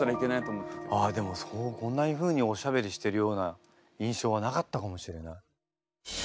でもこんなふうにおしゃべりしてるような印象はなかったかもしれない。